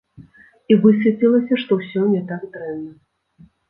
І высветлілася, што ўсё не так дрэнна!